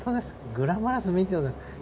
グラマラス見てください。